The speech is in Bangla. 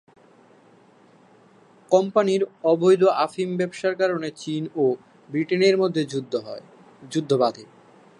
কোম্পানির অবৈধ আফিম ব্যবসার কারণে চীন ও ব্রিটেনের মধ্যে যুদ্ধ বাধে।